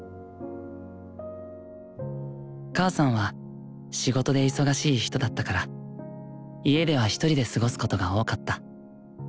母さんは仕事で忙しい人だったから家ではひとりで過ごすことが多かった。